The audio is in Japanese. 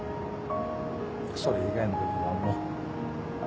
それ以外の部分はもう。